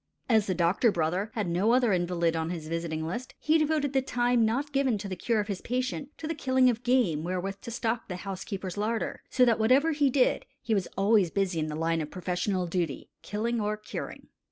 As the doctor brother had no other invalid on his visiting list, he devoted the time not given to the cure of his patient to the killing of game wherewith to stock the housekeeper's larder; so that, whatever he did, he was always busy in the line of professional duty killing or curing.